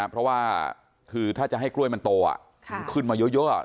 เพราะว่าคือถ้าจะให้กล้วยมันโตอ่ะค่ะขึ้นมาเยอะเยอะอ่ะ